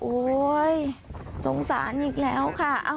โอ้ยสงสารอีกแล้วค่ะ